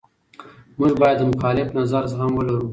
موږ باید د مخالف نظر زغم ولرو.